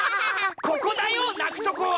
ここだよ泣くとこは！